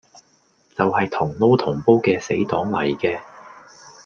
就係同撈同煲嘅死黨嚟嘅